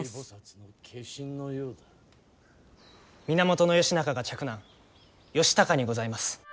源義仲が嫡男義高にございます。